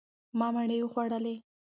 ما مڼې وخوړلې.